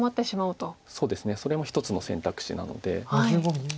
そうですねそれも一つの選択肢なので。